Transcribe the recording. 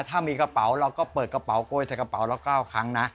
ถ้ามีกระเป๋าเราก็เปิดกระเป๋าโกยใส่กระเป๋าเรา๙ครั้งนะ